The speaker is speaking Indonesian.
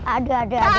aduh aduh aduh